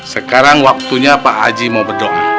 sekarang waktunya pak aji mau berdoa